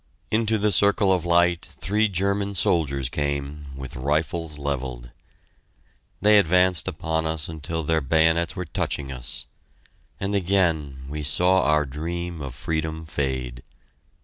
Into the circle of light three German soldiers came, with rifles levelled. They advanced upon us until their bayonets were touching us. And again we saw our dream of freedom fade!